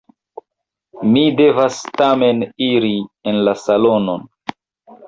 Mi devas tamen iri en la salonon.